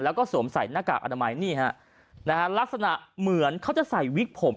แล้วก็สวมใส่หน้ากากอนามัยนี่ฮะนะฮะลักษณะเหมือนเขาจะใส่วิกผม